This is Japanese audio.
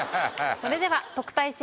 それでは特待生